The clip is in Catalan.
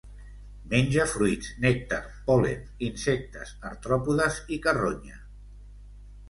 Menja fruits, nèctar, pol·len, insectes, artròpodes i carronya.